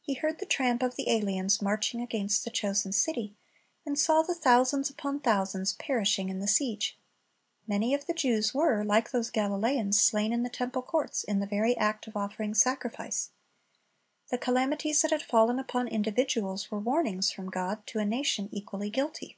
He heard the tramp of the aliens marching against the chosen city, and saw the thousands upon thousands perishing in the siege. Many of the Jews were, like those Galileans, slain in the temple courts, in the 214 Christ's Object Lessons very act of offering sacrifice. The calamities that had fallen upon individuals were warnings from God to a nation equally guilty.